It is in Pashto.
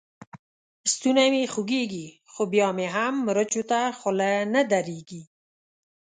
ستونی مې خوږېږي؛ خو بيا مې هم مرچو ته خوله نه درېږي.